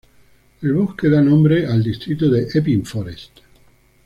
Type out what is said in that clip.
El bosque da nombre al Distrito de Epping Forest.